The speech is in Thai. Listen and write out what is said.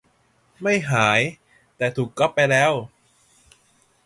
ไม่หาย แต่ถูกก๊อปไปแล้ว?